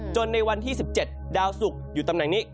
ในวันที่๑๗ดาวสุกอยู่ตำแหน่งนี้